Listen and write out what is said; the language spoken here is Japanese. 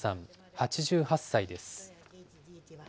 ８８歳です。